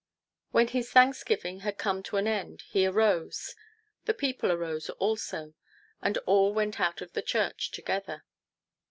When his thanksgiving had come to an end, he arose ; the people arose also, and all went out of church together.